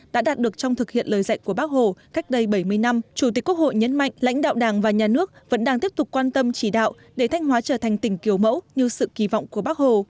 đã đạt được trong thực hiện lời dạy của bác hồ cách đây bảy mươi năm chủ tịch quốc hội nhấn mạnh lãnh đạo đảng và nhà nước vẫn đang tiếp tục quan tâm chỉ đạo để thanh hóa trở thành tỉnh kiểu mẫu như sự kỳ vọng của bác hồ